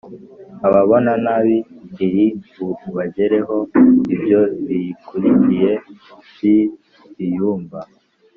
Ababona nabi iri bubagereho! Ibyo biyikurikiye by'ibiyumbu,